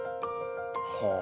はあ。